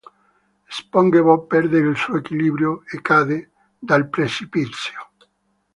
SpongeBob perde il suo equilibrio e cade dal precipizio.